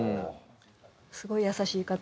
すごい優しい方で。